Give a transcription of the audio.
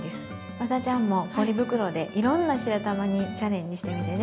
ワダちゃんもポリ袋でいろんな白玉にチャレンジしてみてね。